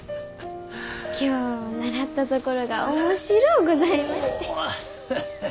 今日習ったところが面白うございまして。